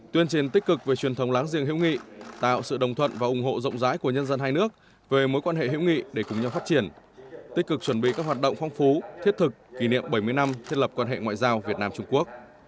tuyên truyền tích cực về truyền thống láng giềng hữu nghị tạo sự đồng thuận và ủng hộ rộng rãi của nhân dân hai nước về mối quan hệ hữu nghị để cùng nhau phát triển tích cực chuẩn bị các hoạt động phong phú thiết thực kỷ niệm bảy mươi năm thiết lập quan hệ ngoại giao việt nam trung quốc